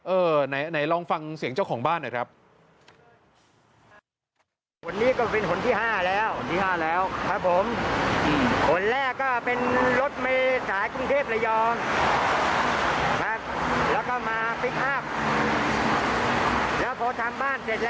ไหนลองฟังเสียงเจ้าของบ้านหน่อยครับ